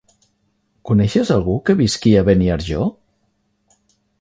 Coneixes algú que visqui a Beniarjó?